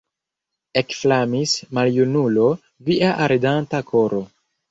Ekflamis, maljunulo, via ardanta koro!